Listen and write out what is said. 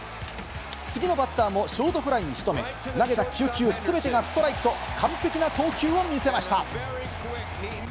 次のバッターもショートフライに仕留め、投げた９球全てがストライクと、完璧な投球を見せました。